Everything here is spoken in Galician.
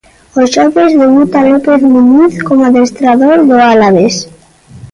O xoves debuta López Muñiz como adestrador do Alavés.